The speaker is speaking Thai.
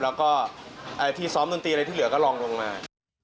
แล้วก็ที่ซ้อมดนตรีอะไรที่เหลือก็ลองลงมา